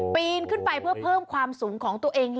ปีนขึ้นไปเพื่อเพิ่มความสูงของตัวเอง